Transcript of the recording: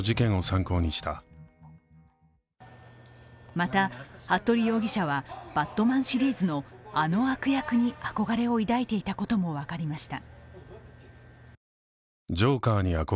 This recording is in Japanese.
また、服部容疑者は「バットマン」シリーズのあの悪役に憧れを抱いていたことも分かりました。